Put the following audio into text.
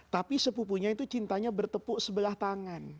tapi sepupunya itu cintanya bertepuk sebelah tangan